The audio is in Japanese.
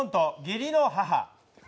「義理の母」。